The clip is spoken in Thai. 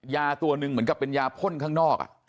ยาตัวหนึ่งเหมือนกับเป็นยาพ่นข้างนอก